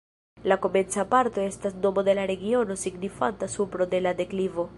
La komenca parto estas nomo de la regiono, signifanta supro de la deklivo.